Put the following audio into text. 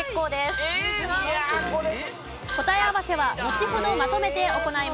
答え合わせはのちほどまとめて行います。